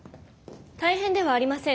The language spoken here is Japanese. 大変ではありません。